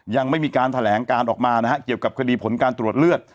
ยังไม่มีการแถลงการออกมานะฮะเกี่ยวกับคดีผลการตรวจเลือด